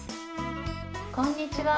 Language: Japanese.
こんにちは。